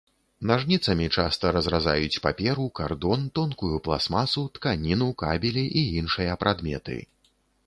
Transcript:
Нажніцамі часта разразаюць паперу, кардон, тонкую пластмасу, тканіну, кабелі і іншыя прадметы.